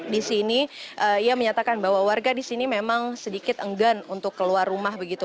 di sini ia menyatakan bahwa warga di sini memang sedikit enggan untuk keluar rumah begitu